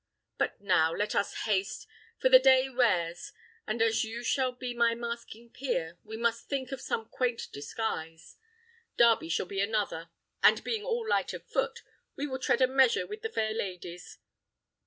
But now let us haste, for the day wears; and as you shall be my masking peer, we must think of some quaint disguise: Darby shall be another; and being all light of foot, we will tread a measure with the fair ladies.